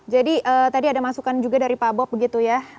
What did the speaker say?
jadi tadi ada juga masukan dari pak bob begitu ya